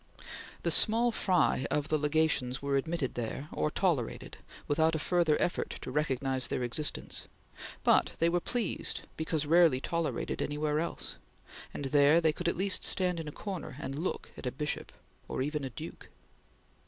The small fry of the Legations were admitted there, or tolerated, without a further effort to recognize their existence, but they were pleased because rarely tolerated anywhere else, and there they could at least stand in a corner and look at a bishop or even a duke.